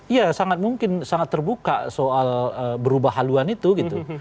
iya sangat mungkin sangat terbuka soal berubah haluan itu gitu